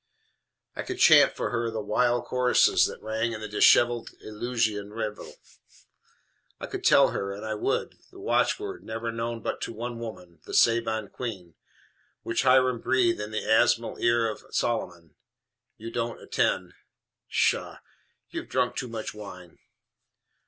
I could chant for her the wild chorus that rang in the disheveled Eleusinian revel: I could tell her and I would, the watchword never known but to one woman, the Saban Queen, which Hiram breathed in the abysmal ear of Solomon You don't attend. Psha! you have drunk too much wine!"